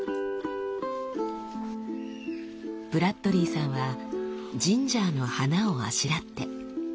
ブラッドリーさんはジンジャーの花をあしらって。